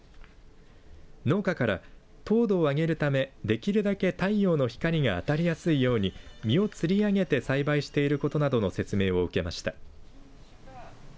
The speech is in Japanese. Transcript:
農家から糖度を上げるためできるだけ太陽の光が当たりやすいように実をつり上げて栽培していることなどの説明を受けました。